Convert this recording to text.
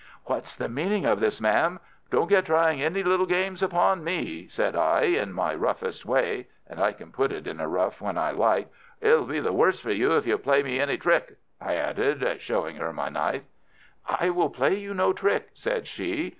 "What's the meaning of this, ma'am? Don't get trying any little games upon me," said I, in my roughest way—and I can put it on rough when I like. "It'll be the worse for you if you play me any trick," I added, showing her my knife. "I will play you no trick," said she.